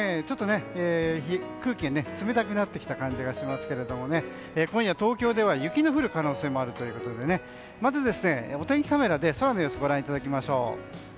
ちょっと空気が冷たくなってきた感じがしますが今夜、東京では雪が降る可能性があるということでまず、お天気カメラで空の様子をご覧いただきましょう。